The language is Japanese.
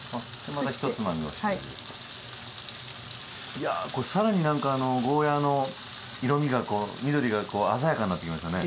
いやあこれ更に何かゴーヤーの色みがこう緑がこう鮮やかになってきましたね。